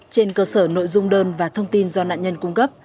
trên cơ sở nội dung đơn và thông tin do nạn nhân cung cấp